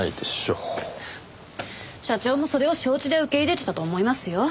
社長もそれを承知で受け入れてたと思いますよ。